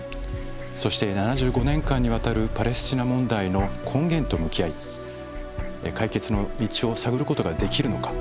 そして７５年間にわたるパレスチナ問題の根源と向き合い解決の道を探ることができるのか。